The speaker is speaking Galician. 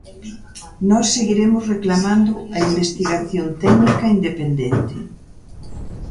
Nós seguiremos reclamando a investigación técnica independente.